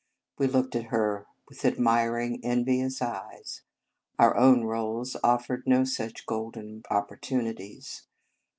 We looked at her with admiring, envious eyes. Our own roles offered no such golden opportunities.